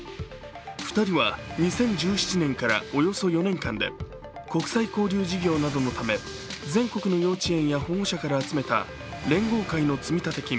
２人は２０１７年からおよそ４年間で国際交流事業などのため全国の幼稚園や保護者から集めた連合会の積立金